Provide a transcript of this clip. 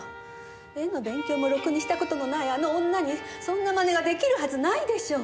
絵の勉強もろくにした事のないあの女にそんなマネが出来るはずないでしょ！